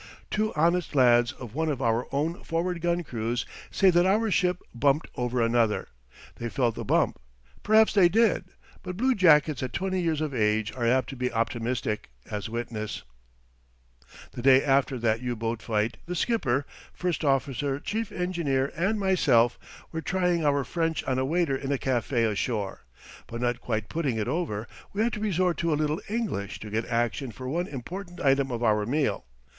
Two honest lads of one of our own forward gun crews say that our ship bumped over another. They felt the bump. Perhaps they did, but bluejackets at twenty years of age are apt to be optimistic, as witness: The day after that U boat fight the skipper, first officer, chief engineer, and myself were trying our French on a waiter in a café ashore, but not quite putting it over; we had to resort to a little English to get action for one important item of our meal.